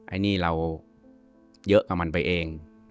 อันนี้เราเยอะกับมันไปเอง